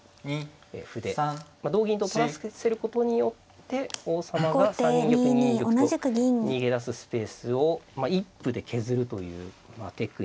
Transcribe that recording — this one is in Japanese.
同銀と取らせることによって王様が３二玉２二玉と逃げ出すスペースを一歩で削るというテクニックなので。